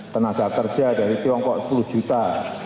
tenaga kerja dari tiongkok sepuluh juta